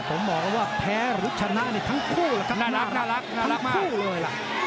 ผมบอกแล้วว่าแพ้หรือชนะนี่ทั้งคู่นะครับน่ารักมากคู่เลยล่ะ